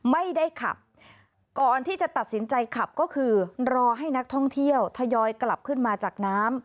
ไม่ได้ขับก่อนที่จะตัดสินใจขับก็คือรอให้นักท่องเที่ยวทยอยกลับขึ้นมาจากน้ำ